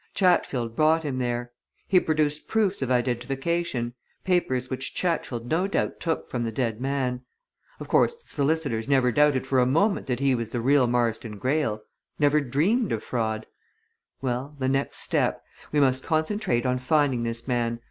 Chatfield brought him there. He produced proofs of identification papers which Chatfield no doubt took from the dead man. Of course, the solicitors never doubted for a moment that he was the real Marston Greyle! never dreamed of fraud: Well the next step. We must concentrate on finding this man.